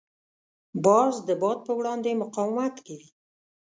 باز د باد په وړاندې مقاومت کوي